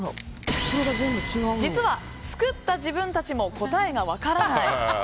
実は作った自分たちも答えが分からない。